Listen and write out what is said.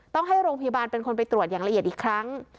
ต้องให้โรงพยาบาลเป็นคนไปตรวจอย่างละเอียดอีกครั้ง